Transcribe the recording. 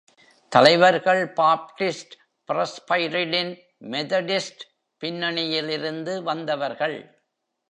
தலைவர்கள் Baptist, Presbyterian, Methodist பின்னணியிலிருந்து வந்தவர்கள்.